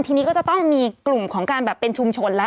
ทีนี้ก็จะต้องมีกลุ่มของการแบบเป็นชุมชนแล้ว